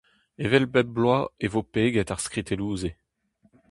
Evel bep bloaz e vo peget ar skritelloù-se.